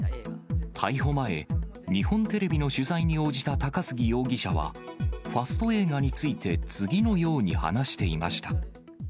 逮捕前、日本テレビの取材に応じた高杉容疑者は、ファスト映画について、次のように話していました。